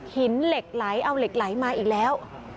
เหล็กไหลเอาเหล็กไหลมาอีกแล้ว